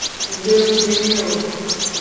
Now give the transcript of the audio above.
Nggbe nu nene o.